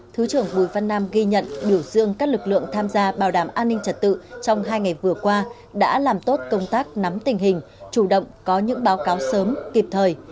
thứ trưởng bùi văn nam ghi nhận biểu dương các lực lượng tham gia bảo đảm an ninh trật tự trong hai ngày vừa qua đã làm tốt công tác nắm tình hình chủ động có những báo cáo sớm kịp thời